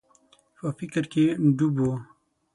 په فکر کي ډوب و.